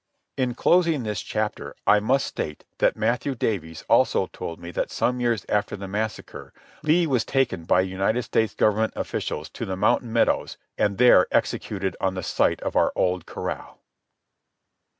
In closing this chapter I must state that Matthew Davies also told me that some years after the massacre Lee was taken by United States Government officials to the Mountain Meadows and there executed on the site of our old corral.